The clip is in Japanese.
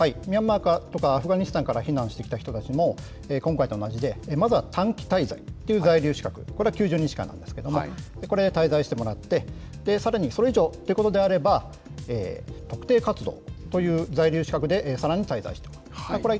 ミャンマーやアフガニスタンから避難してきた人たちも今回と同じで、まずは短期滞在という在留資格、これは９０日間なんですけれども、これ、滞在してもらってで、さらにそれ以上ということであれば、特定活動という在留資格で、さらに滞在してもらう。